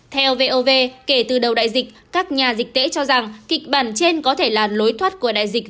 theo vov kể từ đầu đại dịch các nhà dịch tễ cho rằng kịch bản trên có thể là lối thoát của đại dịch